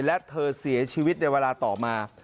และเธอเสียชีวิตในเวลาต่อมา